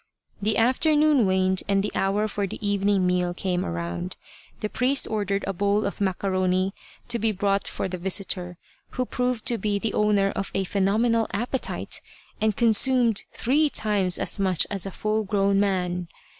The afternoon waned and the hour for the evening meal came round. The priest ordered a bowl of macaroni to be brought for the visitor, who proved to be the owner of a phenomenal appetite, and consumed three times as much as a full grown man.